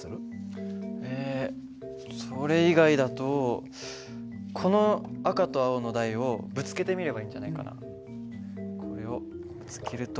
えそれ以外だとこの赤と青の台をぶつけてみればいいんじゃないかな。これをぶつけると。